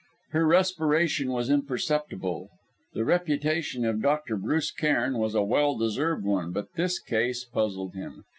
Her respiration was imperceptible. The reputation of Dr. Bruce Cairn was a well deserved one, but this case puzzled him.